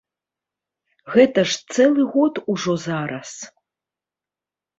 Гэта ж цэлы год ужо зараз.